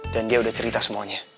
dan dia udah cerita semuanya